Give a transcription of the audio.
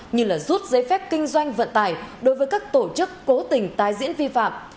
như rút giấy phép kinh doanh vận tải đối với các tổ chức cố tình tái diễn vi phạm